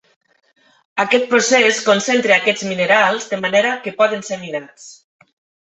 Aquest procés concentra aquests minerals de manera que poden ser minats.